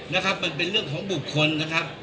นะครับมันเป็นเรื่องของบุคคลนะครับ